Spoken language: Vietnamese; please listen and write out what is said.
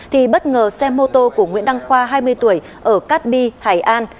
thì bất ngờ xe mô tô của nguyễn đăng khoa hai mươi tuổi ở cát bi hải an